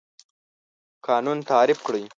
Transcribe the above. قانون تعریف کړئ.